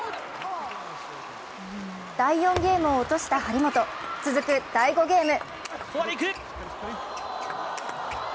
第４ゲームを落とした張本、続く第５ゲーム。